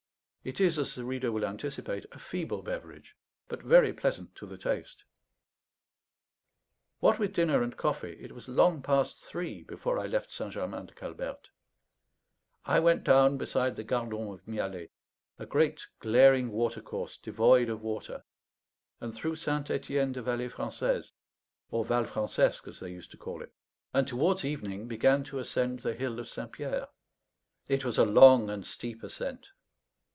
It is, as the reader will anticipate, a feeble beverage, but very pleasant to the taste. What with dinner and coffee, it was long past three before I left St. Germain de Calberte. I went down beside the Gardon of Mialet, a great glaring watercourse devoid of water, and through St. Etienne de Vallée Française, or Val Francesque, as they used to call it; and towards evening began to ascend the hill of St. Pierre. It was a long and steep ascent.